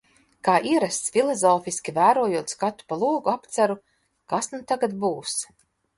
Kā ierasts, filozofiski vērojot skatu pa logu, apceru – kas nu tagad būs?